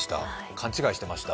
勘違いしてました。